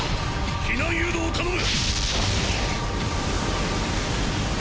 避難誘導を頼む！